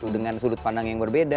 dengan sudut pandang yang berbeda